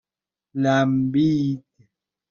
لمبید